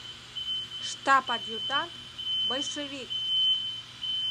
— Штаб адъютант — большевик!..